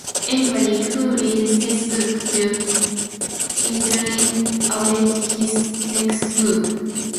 Anybody who reads this book will eagerly await his next move.